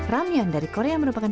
ramyeon dari korea merupakan